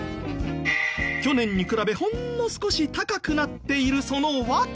去年に比べほんの少し高くなっているその訳は。